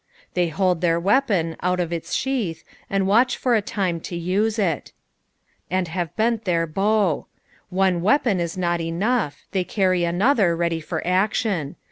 They hold their weapon, out of its sheath, and watch for a time to use it. "And Rateietil their bow.'" One weapon is not enough, they cany another ready for action.